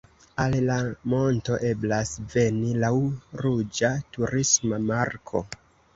Al la monto eblas veni laŭ ruĝa turisma marko.